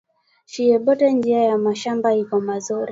Shiye bote njia ya mashamba iko muzuri